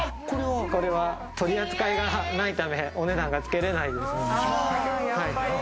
これは取り扱いがないため、お値段がつけられないですね。